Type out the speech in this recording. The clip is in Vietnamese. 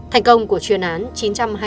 thành công của chuyên án chín trăm hai mươi